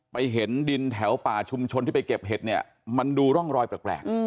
เห็นดินแถวป่าชุมชนที่ไปเก็บเห็ดเนี่ยมันดูร่องรอยแปลก